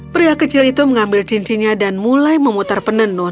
pria kecil itu mengambil cincinnya dan mulai memutar penenun